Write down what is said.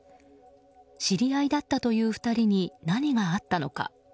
知り合いだったという２人に何があったのか。